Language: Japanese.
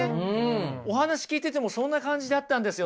お話聞いててもそんな感じだったんですよ